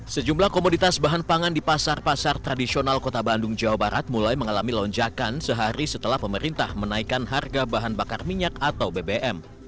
sejumlah komoditas bahan pangan di pasar pasar tradisional kota bandung jawa barat mulai mengalami lonjakan sehari setelah pemerintah menaikkan harga bahan bakar minyak atau bbm